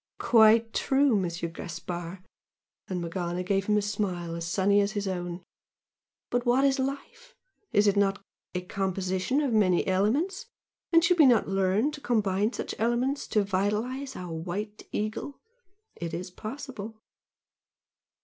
"Quite true, Monsieur Gaspard!" and Morgana gave him a smile as sunny as his own. "But what is life? Is it not a composition of many elements? And should we not learn to combine such elements to vitalise our 'White Eagle'? It is possible!"